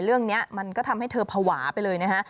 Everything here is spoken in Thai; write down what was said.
เรื่องนี้มันก็ทำให้เธอภาวะไปเลยนะฮะ